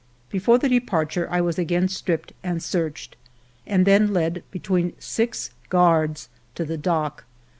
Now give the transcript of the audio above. Before the departure I was again stripped and searched, and then led between six guards to the dock.